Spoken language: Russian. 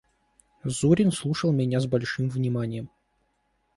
Зурин слушал меня с большим вниманием.